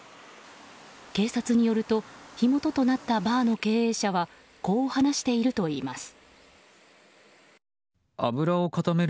警察によると火元となったバーの経営者はこう話しているといいます。